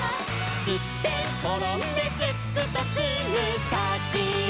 「すってんころんですっくとすぐたちあがる」